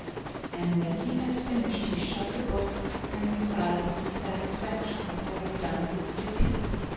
And when he had finished he shut the book, and sighed with the satisfaction of having done his duty.